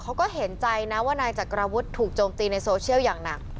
เขาก็เห็นใจนะว่านายจักรวุฒิถูกโจมตีในโซเชียลอย่างหนัก